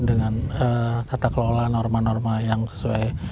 dengan tata kelola normal normal yang sesuai